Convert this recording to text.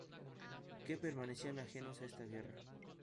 que permanecían ajenos a esta guerra